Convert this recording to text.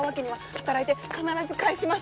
働いて必ず返します。